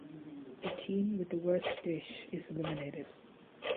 The team with the worst dish is eliminated.